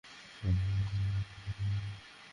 দেরি করে ফেলেছ।